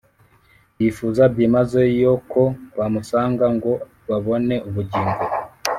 Yifuza byimazeyo ko bamusanga ngo babone ubugingo.